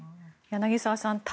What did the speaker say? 柳澤さん